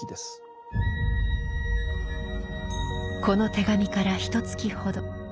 この手紙からひとつきほど。